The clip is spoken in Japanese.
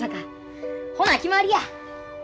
ほな決まりや！